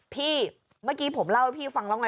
พี่เมื่อกี้ผมเล่าให้พี่ฟังแล้วไง